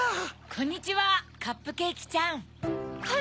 こんにちはカップケーキちゃん。